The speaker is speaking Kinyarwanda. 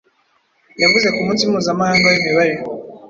yavuze ku munsi mpuzamahanga w’imibare